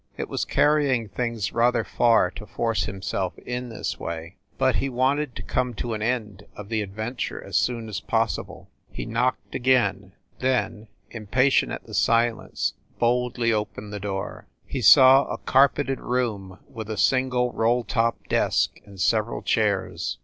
It was carrying things rather far to force himself in, this way, but he wanted to come to an end of the adventure as soon as possible. He knocked again, THE ST. PAUL BUILDING 207 then, impatient at the silence, boldly opened the door. He saw a carpeted room with a single roll top desk and several chairs.